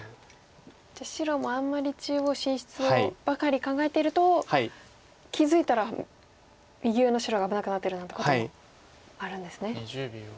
じゃあ白もあんまり中央進出ばかり考えていると気付いたら右上の白が危なくなってるなんてこともあるんですね。